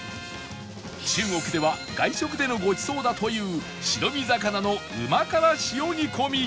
中国では外食でのごちそうだという白身魚のうま辛塩煮込みか